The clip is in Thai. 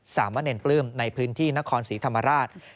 สามะเนรปลื้มในพื้นที่นครศรีธรรมราช